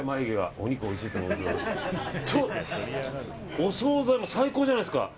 お総菜も最高じゃないですか。